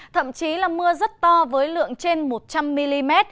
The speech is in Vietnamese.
thậm chí là mưa rất to với lượng trên một trăm linh mm